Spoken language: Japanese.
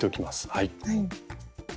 はい。